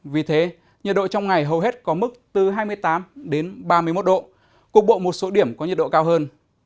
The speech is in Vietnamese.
vì thế nhiệt độ trong ngày hầu hết có mức từ hai mươi tám đến ba mươi một độ cục bộ một số điểm có nhiệt độ cao hơn